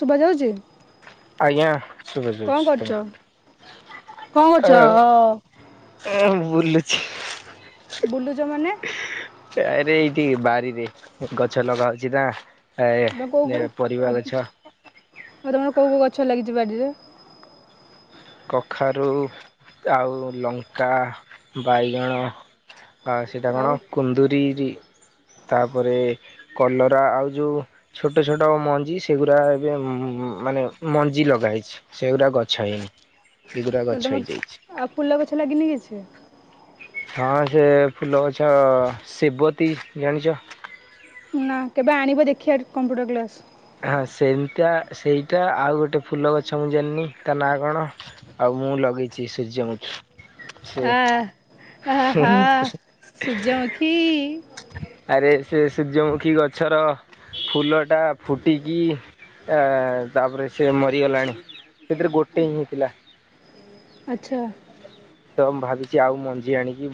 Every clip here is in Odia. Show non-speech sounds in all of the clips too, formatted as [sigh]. ଶୁଭାଯାଉଛି। ଆଜ୍ଞା ଶୁଭାଯାଉଛି କରୁଛ ତମ କଣ କରୁଛ କଥା ଅ ଆ ଏ ବୁଲୁଛି। ବୁଲୁଛ ମାନେ? ଆରେ ଏଇଠି ବାରିରେ ଗଛ ଲଗା ହଉଛି ନା। ତମେ କୋଉ ଏ କୋଉ ପରିବା ଗଛ। ଆଉ ତମର କୋଉ କଉ ଗଛ ଲାଗିଛି ବାଡିରେ? କଖାରୁ ଆଉ ଲଙ୍କା ବାଇଗଣ ଆ ସେଇଟା କଣ ଆଉ କୁନ୍ଦୁରି ତାପରେ କଲରା ଆଉ ଯୋଉ ଛୋଟ ଛୋଟ ମଞ୍ଜି ସେଗୁଡା ଏବେ ମାନେ ମଞ୍ଜି ଲଗା ହେଇଛି। ସେଗୁରା ଗଛ ହେଇନି ଏଗୁଡା କହିଲି ଗଛ ତମ ହେଇଯାଇଛି। ଆଉ ଫୁଲ ଗଛ ଲାଗିନି କିଛି। ହଁ ସେ ଫୁଲ ଗଛ ସେବତୀ ଜାଣିଛ। ନା କେବେ ଆଣିବ ଦେଖିବା କମ୍ପ୍ୟୁଟର କ୍ଲାସ। ହଁ ସେମିତି ସେଇଟା ଆଉ ଗୋଟେ ଫୁଲ ଗଛ ମୁଁ ଜାଣିନି ତା ନାଁ କଣ। ଆଉ ମୁଁ ଲଗେଇଛି ସୂର୍ଯ୍ୟମୁଖୀ। ସେ ଆ ଆ ହା ସୂର୍ଯ୍ୟମୁଖୀ। ଆରେ ସେ ସୂର୍ଯ୍ୟମୁଖୀ ଗଛର ଫୁଲଟା ଫୁଟିକି ଆ ତା ପରେ ସେ ମରିଗଲାଣି ସେଥିରେ ଗୋଟେ ହିଁ ହେଇଥିଲା। ଆଛା। ତ ମୁଁ ଭାବୁଛି ଆଉ ମଞ୍ଜି ଆଣିକି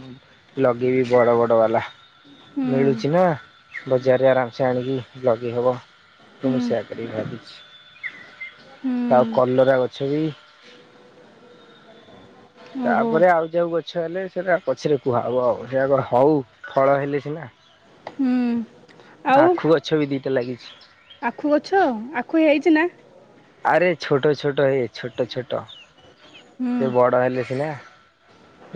ଲଗେଇବି ବଡ ବଡ଼ ବାଲା ହୁଁ ମିଳୁଛି ନା। ବଜାରରେ ଆରାମସେ ଆଣିକି ଲଗେଇ ହେବ ତ ହୁଁ ମୁ ସେ କରିକି ହୁଁ ବାବିଛି। ଆଉ କଲରା ଗଛ ବି ଓହୋ ତାପରେ ଆଉ ଯଉ ଗଛ ହେଲେ ସେଟା ପଛରେ କୁହାବ ଆଉ ସେ ଆଗ ହଉ ଫଳ ହେଲେ ସିନା। ହୁଁ ଆଉ ଆଖୁ ଗଛ ବି ଦିଟା ଲାଗିଛି। ଆଖୁ ଗଛ ଆଖୁ ହେଇଛି ନା? ଆରେ ଛୋଟ ଛୋଟ ହେଇ ଛୋଟ ଛୋଟ ହୁଁ ସେ ବଡ ହେଲେ ସିନା।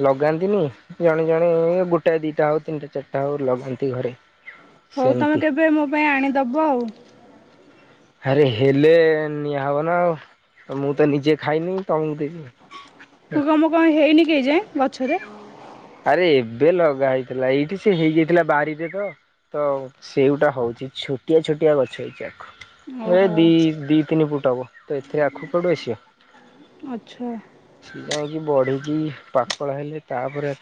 ଲଗାନ୍ତିନି। ଜଣେ ଜଣେ ଗୋଟାଏ ଦିଟା ହଉ ତିନିଟା ଚାରିଟା ହଉ ଲଗାନ୍ତି ଘରେ। ହଉ ତମେ ସେମିତି କେବେ ମୋ ପାଇଁ ଆଣିଦବ ଆଉ। ଆରେ ହେଲେ ନିଆହବ ନା ଆଉ ମୁଁ ତ ନିଜେ ଖାଇନି ତମକୁ ଦେବି। ମୁଁ କମ କଣ ହେଇନି କେହି ଯାଏଁ ଗଛରେ। ଆରେ ଏବେ ଲଗା ହେଇଥିଲା ଏଇଠି ସେ ହେଇଯାଇଥିଲା ବାରିରେ ତ। ତ ସେଇଗଟା ହଉଛି ଛୋଟିଆ ଛୋଟିଆ ଗଛ ହେଇଛି ଆଖୁ। ଏ ଓହୋ। ଦି ଦି ତିନି ଫୁଟ ହବ ତ ଏଥିରେ ଆଖୁ କଆଡୁ ଆସିବ? ଆଚ୍ଛା। ସି ଯାଇକି ବଢିକି ପାଖଳ ହେଲେ ତାପରେ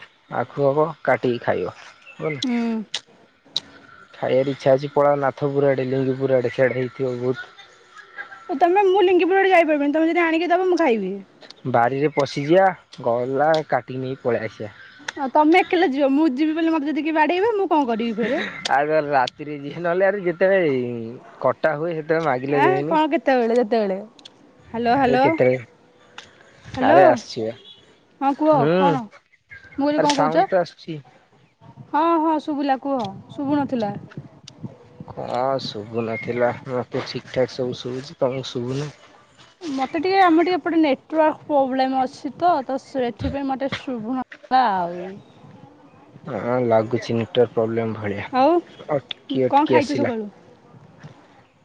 ଆଖୁ ହବ କାଟିକି ଖାଇବ ବୁ ହୁଁ ଖାଇବାର ଇଚ୍ଛା ଅଛି। ପଲା ନାଥ ପୁରା ଆଡେ ଲିଙ୍ଗି ପୁରା ଆଡେ ସିଆଡେ ହେଇଥିବ ବହୁତ ତମେ ମୁଁ ଲିଙ୍ଗପୁର ଆଡ଼େ ଯାଇପାରିବିନି ତମେ ଯଦି ଆଣିକି ଦବ ମୁଁ ଖାଇବି। ବାରିରେ ପଶିଯିବା ଗଲା କାଟି ନେଇ ପଳେଇ ଆସିବା। ହଁ ତମେ ଏକେଲା ଯିବ ମୁଁ ଯିବି ବୋଲି ମତେ ଯଦି କିଏ ବାଡେଇବ ମୁଁ କଣ କରିବି ଫେରେ? ଆଉ ତାହେଲେ ରାତିରେ ଯିଏ ନହେଲେ ଆ ଯେତେବେଳେ, କଟା ହୁଏ ସେତେବେଳେ ମାଗିଲେ ଆଁ ଦେବିନି କଣ କେତେବେଳେ ଯେତେବେଳେ ହ୍ୟାଲୋ ଆରେ ହ୍ୟାଲୋ କେତେବେଳେ, ହ୍ୟାଲୋ କାଳେ ଆସିବା ହଁ କୁହ ହୁଁ। କଣ ମୁଁ କହିଲି ଆ କଣ ରେ କହୁଛ? ସାଉଣ୍ଡ ତ ଆସୁଛି। ହଁ ହଁ ଶୁଭିଲା କୁହ ଶୁଭୁ ନଥିଲା। ହଁ ଶୁଭୁନଥିଲା ମତେ ଠିକ ଠାକ ସବୁ ଶୁଭୁଛି ତମକୁ ଶୁଭୁନି। ମୋତେ ଟିକେ ଆମର ଟିକେ ଏ ପଟେ ନେଟୱାର୍କ ପ୍ରୋବ୍ଲେମ୍ ଅଛି ତ ସେଥିପାଇଁ ମୋତେ ଶୁଭୁ ଆଉ ହଁ ଲାଗୁଛି ନେଟୱାର୍କ ପ୍ରୋବ୍ଲେମ୍ ଭଳିଆ ଆଉ ଅଟକି କଣ ଅଟକି ଖାଇଛ ଆସିଲା। ସକାଳୁ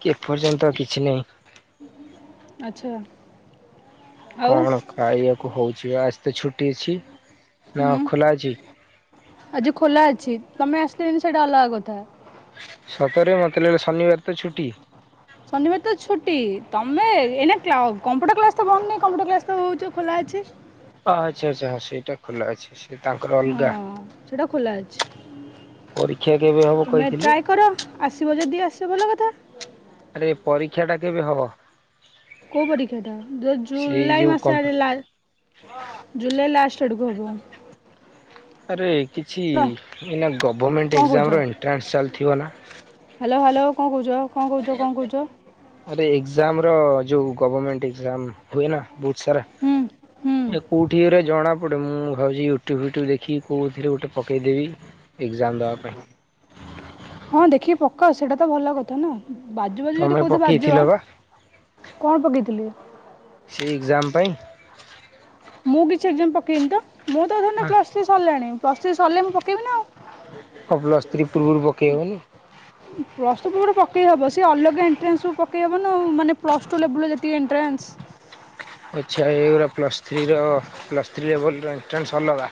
କି ଏପର୍ଯ୍ୟନ୍ତ କିଛି ନାହିଁ। ଆଚ୍ଛା। ଆଉ କଣ ଖାଇବାକୁ ହଉଛି ଆଜି ତ ଛୁଟି ଅଛି ନା ହୁଁ ଖୋଲା ଅଛି? ଆଜି ଖୋଲା ଅଛି ତମେ ଆସିଲେ ଯେ ସେଇଟା ଅଲଗା କଥା। ସତରେ ମତେ ଲାଗେ ଶନିବାର ତ ଛୁଟି। ଶନିବାର ତ ଛୁଟି ତମେ ଏଇନା କା କମ୍ପ୍ୟୁଟର କ୍ଲାସ ତ ବନ୍ଦ ନୁହଁ କମ୍ପୁଟର କ୍ଲାସ ତ ହଉ ଖୋଲା ଅଛି। ଅ ଆଚ୍ଛା ଆଚ୍ଛା। ସେଇଟା ଖୋଲା ଅଛି ସେ ତାଙ୍କର ଅଲଗା। ସେଟା ଖୋଲା ଅଛି। ପରୀକ୍ଷା କେବେ ହବ ତମେ କହିଥିଲେ ଟ୍ରାଏ କର, ଆସିବ ଯଦି ଆସିବ ଭଲ କଥା। ଆରେ ପରୀକ୍ଷା ଟା କେବେ ହବ? କୋଉ ପରୀକ୍ଷା ଟା ଯେ ସେଇ ଜୁଲାଇ ଯୋଉ ମାସ କମ୍ପୁ ଆଡେ ଲା ଜୁଲାଇ ଲାଷ୍ଟ ଆଡ଼କୁ ହେବ। ଆରେ କିଛି ଏଇନା କ'ଣ ଗଭର୍ମେଣ୍ଟ କହୁଛ ଏକ୍ସାମ୍ମ ର ଏଣ୍ଟ୍ରାନ୍ସ ଚାଲିଥିବ ନା? ହ୍ୟାଲୋ ହ୍ୟାଲୋ କଣ କହୁଛ? କ'ଣ କହୁଛ କ'ଣ କହୁଛ ଆରେ ଏଜାମ୍ ର ଯୋଉ ଗଭମେଣ୍ଟ ଏଜାମ ହୁଏ ନା? ବୁହୁତ ସାରା ହୁଁ ହୁଁ ଏ କୋଉଠିରେ ଜଣା ଗୋଟେ ମୁଁ ଭାବଛି ୟୁଟ୍ୟୁବ୍ ୟୁଟ୍ୟୁବ୍ ଦେଖି କହୁଥିଲି ଗୋଟେ ପକେଇଦେବି ଏକ୍ଜାମ ଦେବା ପାଇଁ। ହଁ ଦେଖିକି ପକାଅ ସେଇଟା ତ ଭଲ କଥା ନା। ବାଜୁ ବାଜୁ ଯଦି ତମେ କହୁଥିରେ ପକେଇଥିଲ ବାଜିବ ବା କଣ ପକେଇଥିଲି? ସେଇ ଏଜାମ୍ ପାଇଁ। ମୁଁ କିଛି ଏକ୍ଜାମ ପକେଇନି ତ ମୁଁ ତ ଧର ଆଉ ପ୍ଲସ୍ ଥ୍ରି ସରିଲାଣି ପ ପ୍ଲସ ଥ୍ରି ସରିଲେ ମୁଁ ପକେଇବି ନି ଆଉ। କଣ ପ୍ଲସ ଥ୍ରି ପ୍ରୁବରୁ ପକେଇ ହେବନି? ପ୍ଲସ୍ ଟୁ ପୃବରୁ ପକେଇ ହେବ ସି ଅଲଗା ଏଣ୍ଟାନ୍ସକୁ ପକେଇବ ନା ଆ ମାନେ ପ୍ଲସ୍ ଟୁ ଲେବୁଲ୍ର ର ଯେତିକି ଏଟାନ୍ସ। ଆଚ୍ଛା। ଏଗୁଡ଼ା ପ୍ଲସ୍ ଥ୍ରୀର ପ୍ଲସ୍ ଥ୍ରୀ ଲେବୁଲ୍ର ଏଣ୍ଟ୍ରାନ୍ସ ଅଲଗା।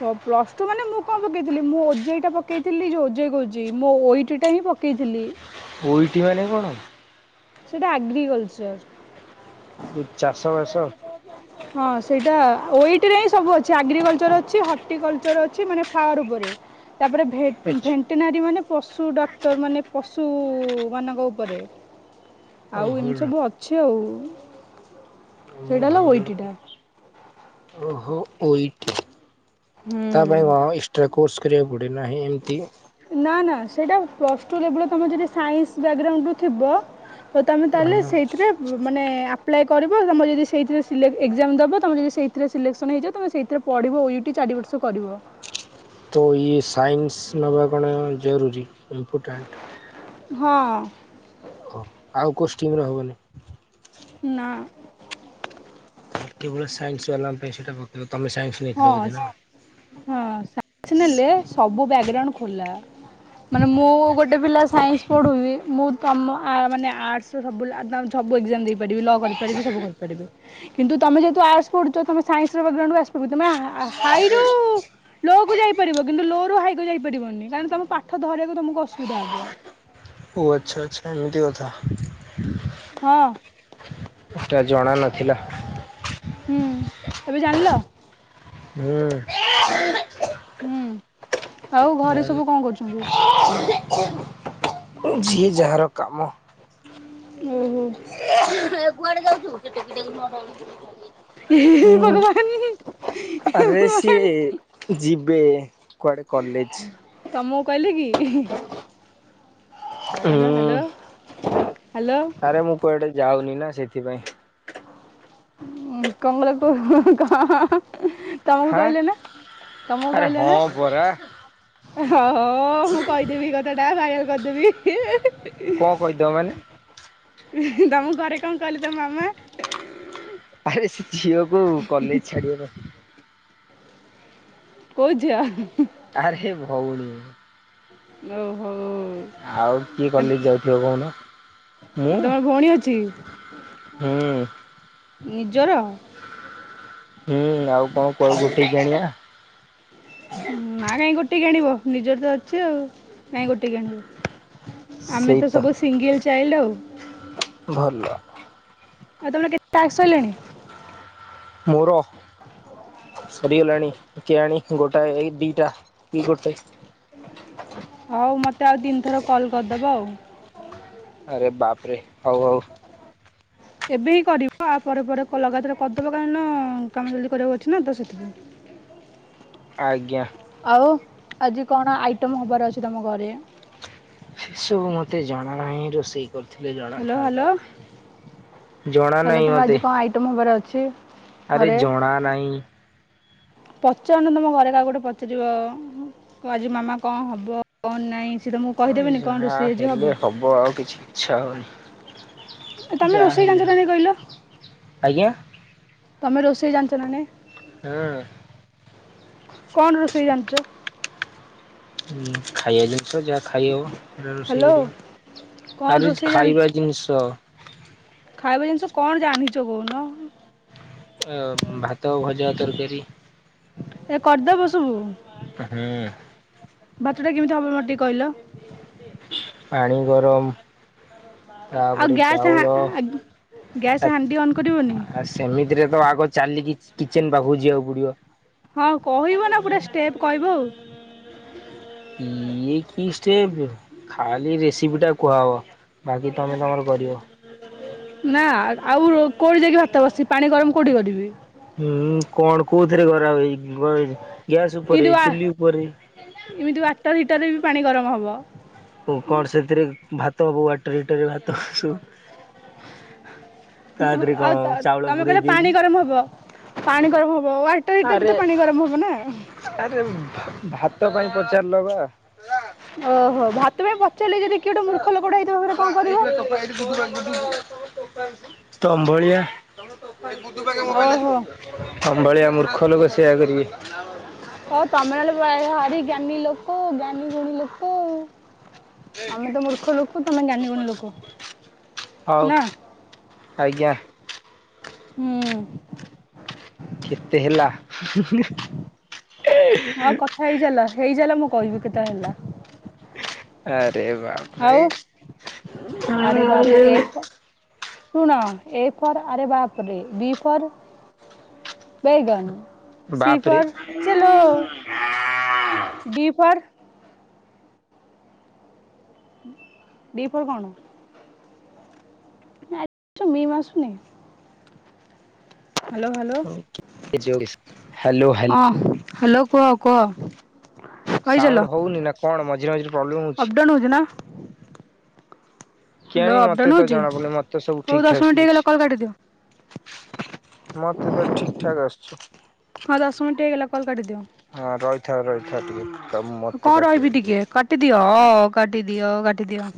ହ ପ୍ଲସ ଟୁ ମାନେ ମୁଁ କଣ ପକେଇଥିଲି ମୁଁ ଓଜେଇ ଟା ପକେଇଥିଲି ଯୋଉ ଓଜେଇ କହୁଛି ମୋ ଓଇଟା ହିଁ ପ କେଇ ଥିଲି। ଓ ଇଟି ମାନେ କଣ? ସେଇଟା ଆଗ୍ରିକଲଚର୍। ଚାଷ ବାସ, ହଁ ସେଇଟା ଓଇଠିରେ ହିଁ ସବୁ ଅଛି ଆଗ୍ରିକଲଚର ଅଛି, ହର୍ଟିକଲଚର ଅଛି, ମାନେ ଫାର୍ ଉପରେ। ତାପରେ ଭେ ଭେଣ୍ଟିନାରୀ ମାନେ ପଶୁ ଡକ୍ଟର ମାନେ ପଶୁମାନଙ୍କ ଉପରେ। ଆଉ ଓହୋ ଏମିତି ସବୁ ଅଛି ଆଉ। ମୋ ସେଇଟା ହେଲା ଭାଉଜ ଓଇଟିଟା। [inaudible] ଓହୋ ଓ ଇ ଟି। ତା ପାଇଁ କଣ ହୁଁ। ଏକ୍ସଟ୍ରା କୋର୍ସ କରିବାକୁ ପଡେ ନାହିଁ ଏମତି ନା ନା ସେଇଟା ପ୍ଲସ୍ ଟୁ ଲେବୁଲ୍ ର ତମେ ଯଦି ସାଇନ୍ସ ବ୍ୟାଗ୍ରାଉଣ୍ଡ ରୁ ଥିବ। ଓ ତମେ ତାହେଲେ ସେଇଥିରେ ମାନେ ଆ ଆପ୍ଲାଏ କରିବ ତମର ଯଦି ସେଇଥିରେ ସି ଏକ୍ଜାମ ଦେବ ତୁମେ ଯଦି ସେଇଥିରେ ସିଲେକ୍ସନ୍ ହେଇଛ ତୁମେ ସେଥିରେ ପଢ଼ିବ ଓ ୟୁ ଟି ଚାରି ବର୍ଷ କରିବ। ତ ଇଏ ସାଇନ୍ସ ନବା କଣ ଜରୁରୀ ଇମ୍ପୋର୍ଟାଣ୍ଟ୍? ହଁ। ଓ ଆଉ କୋଉ ଷ୍ଟିମ୍ ରେ ହବନି? ନା। କେବଳ ସାଇନ୍ସ ବାଲାଙ୍କ ପାଇଁ ସେଇଟା ପକେଇବ ତମେ ସାଇନ୍ସ? ନେଇଥିଲ ହଁ ବୋଧେ ନା? ହଁ ସାଇନ୍ସ ନେଲେ ସବୁ ବ୍ଯାଗ୍ରାଉଣ୍ଡ ଖୋଲା। ମାନେ ମୁଁ ଗୋଟେ ପିଲା ସାଇନ୍ସ ପଢ଼ିବି ମୁଁ ତମ ମାନେ ଆର୍ଟସ୍ ସବୁ ସବୁ ଏକ୍ ଜାମ୍ ଦେଇ ଲ କରିପାରିବି ସବୁ ସବୁକରିପାରିବି କିନ୍ତୁ ତମେ ଯେହେତୁ ଆର୍ଟ୍ସ ପଢ଼ୁଚ ତମେ ସାଇନ୍ସ ର ବ୍ୟାକଗ୍ରାଉଣ୍ଡ କୁ ଆସି ତମେ ହାଇରୁ ଲୋ ଯାଇପାରିବ କିନ୍ତୁ ଲୋ ର ହାଇକୁ ଯାଇପରିବନି କାରଣ ତମ ପାଠ ଧରିବାକୁ ଅସୁବିଧା ହବ। ଓ ଆଚ୍ଛା ଆଚ୍ଛା ଏମିତି କଥା। ହଁ। ସେଟା ଜଣା ନଥିଲା। ହୁଁ ଏବେ ଜାଣିଲ? ହୁଁ। ହୁଁ। ଆଉ ଘରେ ସବୁ କଣ କରୁଛନ୍ତି? ଝିଏ ଯାହାର କାମ ହୁଁ ହୁଁ। [inaudible] ହେ ହେ ହୁଁ ଭଗବାନ ହେ ଆରେ ଭଗବାନ ସିଏ ଯିବେ କୁଆଡେ କଲେଜ। ତମ କୁ କହିଲେ କି? ହ୍ୟାଲୋ ହୁଁ ହ୍ୟାଲୋ ହ୍ୟାଲୋ। ଆରେ ମୁଁ କୁଆଡେ ଯାଉନି ନା ସେଥିପାଇଁ। କଣ ଗୁରେ କ [inaudible] ତମକୁ ହାଁ କହିଲେ ନା ତମକୁ ଆରେ କହିଲେ ହଁ ନା? ପରା ହ ହୋ ମୁଁ କହିଦେବି ଏଇ କଥାଟା ଭାଇରାଲ କଣ କହିଦବ ମାନେ କରିଦେବି। ତମ ଘରେ କଣ କହିଲେ ତମ ମାମା? ଆରେ ସେ ଝିଅକୁ କଲେଜ୍ ଛାଡିବାର କୋଉ ଝିଅ? ଆରେ ଭଉଣୀ। ଓ ହୋ। ଆଉ କିଏ କଲେଜ ଯାଉଥିବ କହୁନ ମୁଁ? ତମର ଭଉଣୀ ଅଛି ହୁଁ। ନିଜର? ହୁଁ ଆଉ କଣ କୁଆଡୁ ଗୋଟେଇକି ଆଣିବା? ନା କାଇଁ ଗୋଟେଇକି ଆଣିବ ନିଜର ତ ଅଛି ଆଉ କାଇଁ ଗୋଟେଇକିକଆଣିବ? ଆମେ ତ ସବୁ ସିଙ୍ଗଲ୍ ଚାଇଲ୍ଡ ଆଉ। ଭଲ। ଆଉ ତମର କେତେ ଟାକ୍ସ ସଇଲାଣି? ମୋର? ସରିଗଲାଣି, କିଏ ଆଣି ଗୋଟାଏ, ଏଇ ଦିଟା, କି ଗୋଟେ? ହଉ, ମତେ ଆଉ ତିିନି ଥର କଲ୍ କରିଦବ ଆଉ। ଆରେ ବାପ୍ ରେ! ହଉ ହଉ। ଏବେ ହିଁ କରିବ। ଆ ପରେ ପରେ କ ଲଗାତାର କରିଦବ କାରଣ, କାମ ଯଲ୍ଦି କରିବାକୁ ଅଛି ନା ତ ସେଥିପାଇଁ। ଆଜ୍ଞା। ଆଉ, ଆଜି କଣ ଆଇଟମ୍ ହବାର ଅଛି ତମ ଘରେ? ସେ ସବୁ ମତେ ଜଣା ନାହିିଁ। ରୋଷେଇ କରୁ ଥିଲେ ହ୍ୟାଲୋ ହ୍ୟାଲୋ। ଜଣାଥାନ୍ତା, ଜଣା ହ୍ୟାଲୋ ନାହିଁ ତମର ଆଜି ମତେ। କଣ ଆଇଟମ୍ ହବାର ଅଛି। ଆରେ ଘରେ? ଜଣା ନାଇଁ। ପଚାରୁନ ତମ ଘରେ କାହାକୁ ଗୋଟେ ପଚାରିବ! ଆଜି ମାମା କଣ ହବ କଣ ନାହିଁ? ସେ ତମକୁ କହିଦେବେନି କଣ ରୋଷେଇ ଆଜି ହବ? ବ ଆଉ କିଛି, ଇଚ୍ଛା ହଉନି। ତମେ ଯାହା ରୋଷେଇ ହେଲେ ଜାଣିଛ ନା ହବ ନାଇଁ କହିଲ? ଆଜ୍ଞା ତମେ ରୋଷେଇ ଜାଣିଛ ନା ନାଇଁ? ହୁଁ। କଣ ରୋଷେଇ ଜାଣିଛ? ହୁଁ, ଖାଇବା ଜିନିଷ ଯାହା ଖାଇ ହବ। ସେରା ରୋଷେଇ ହ୍ୟାଲୋ କରିବ। କଣ ଆରେ ରୋଷେଇ ଜାଣି ଖାଇବା ଜିନିଷ। ଖାଇବା ଜିନିଷ କଣ ଜାଣିଛ କହୁନ? ଆ, ଭାତ, ଭଜା, ତରକାରୀ। ଏ କରିଦବ ସବୁ। ହୁଁ। ଭାତ ଟା କେମିତି ହବ ମୋତେ ଟିକେ କହିଲ? ପାଣି ଗରମ। ଆଉ, ତାପରେ ଗ୍ୟାସ୍ ହା ଚାଉଳ ଆଁ-ଗ୍ ଗ୍ୟାସ୍ ହାଣ୍ଡି ଅନ୍ କରିବନି? ଆ ସେମିତିରେ ତ ଆଗ ଚାଲିକି କିଚେନ୍ ପାଖକୁ ଯିବାକୁ ପଡିବ! ହଁ, କହିବ ନା ପୁରା ଷ୍ଟେପ୍ କହିବ ଆଉ। ଇଏ କି ଷ୍ଟେପ୍! ଖାଲି ରେସିପି ଟା କୁହାହବ। ବାକି ତମେ ତମର କରିବ। ନାଁ, ଆ-ଆଉ କୋଉଠି ଯାଇକି ଭାତ ବସିି, ପାଣି ଗରମ କୋଉଠି କରିବି? ହୁଁ, କଣ କୋଉଥିରେ କରା ହୋଇ ଗଏ ଗ୍ୟାସ୍ ଉପରେ, ଏମିତି ଆ ଚୁଲି ଉପରେ। ଏମିତି ୱାଟର ହିଟରରେ ବି ପାଣି ଗରମ ହବ ଓ କଣ ସେଥିରେ ଭାତ ହବ, ୱାଟର୍ ହିଟରରେ ଭାତ ବସିବ। ଦେହରେ ଆଉ କଣ ତ ଚାଉଳ ତମେ ପୁରେଇ କହିଲ, ଦେଇକି ପାଣି ଗରମ ହବ। ପାଣି ଗରମ ହବ, ୱାଟର ହିଟର୍ ବି ଆରେ ତ ପାଣି ଗରମ ହବ ନା! ଆରେ ଭା-ଭାତ ପାଇଁ ପଚାରିଲ ବା। ଓହୋ! ଭାତ ପାଇଁ ପଚାରିଲି ଯଦି, କିଏ ଗୋଟେ ମୂର୍ଖ ଲୋକ ଟା ହେଇଥିବ ଫେରେ କଣ କରିବ? ତମ ଭଳିଆ। ଓହୋ ତମ ଭଳିଆ ମୂର୍ଖ ଲୋକ ସେୟା କରିବେ। ହଁ ତମେ [unintelligible] ଭାରୀ ଜ୍ଞାନୀ ଲୋକ ଜ୍ଞାନୀ ଗୁଣୀ ଲୋକ ଆଉ। ଆମେ ତ ମୂର୍ଖ ଲୋକ ତମେ ଜ୍ଞାନୀଗୁଣୀ ଲୋକ ହଉ ନା। ଆଜ୍ଞା। ହୁଁ। କେତେ ହେଲା ହୁଁ ହୁଁ ହୁଁ। ହଁ କଥା ହେଇଚାଲ ହେଇଚାଲ ମୁଁ କହିବି କେତେ ହେଲା। ଆରେ ବାପରେ ଆଉ ଆରେ ବାପରେ ଏ [unintelligible] ଫ ଶୁଣ ଏ ଫର୍ ଆରେ ବାପରେ ବି ଫର୍ ବେଗନ ସି ବାପରେ ଫର ଚଲୋ ଡି ଫର୍ ଡି ଫର୍ କଣ? ଚ ମିମ ଆସୁନି। ହାଲୋ ହାଲୋ ହ୍ୟାଲୋ ହ୍ୟାଲୋ ହଁ ହାଲୋ କୁହ କୁହ। ସାଉଣ୍ଡ ହଉନି ନା କଣ ମଝିରେ ମଝି ଅପଡାଉନ ହଉଛି ନା? କି ହ୍ୟାଲୋ ଆଣି ମତେ ଅପଡାଉନ୍ ତ ହଉଛି ଜଣା ପଡ଼ୁନି ମତେ ସବୁ ହଉ ଠିକ ଦଶ ଠାକ୍ ମିନିଟ୍ ହେଇଗଲା ସୁବୁଛି। କଲ୍ କାଟିଦିଅ ମତେ ତ ଠିକ ଠାକ ଆସୁଚି। ହଁ ଦଶ ମିନିଟ ହେଇଗଲା କଲ କାଟିଦିଏ। ହଁ ରହିଥାଅ ରହିଥାଅ ଟିକେ। ମତେ କଣ ରହିବି କାଟିବାକୁ ଦିଅ। ଟିକେ କାଟିଦିଅ ହ କାଟିଦିଅ କାଟିଦିଅ।